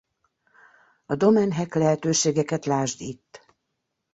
A domain hack lehetőségeket lásd itt.